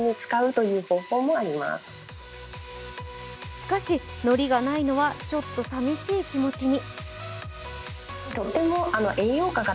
しかし、海苔がないのはちょっと寂しい気持ちに。